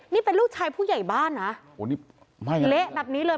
นี่เป็นลูกชายผู้ใหญ่บ้านนะโอ้นี่ไหม้เละแบบนี้เลย